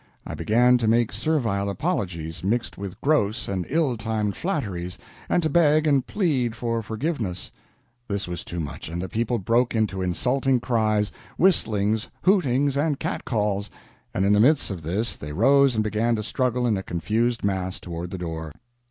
I began to make servile apologies, mixed with gross and ill timed flatteries, and to beg and plead for forgiveness; this was too much, and the people broke into insulting cries, whistlings, hootings, and cat calls, and in the midst of this they rose and began to struggle in a confused mass toward the door.